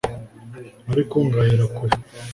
ariko ngahera kure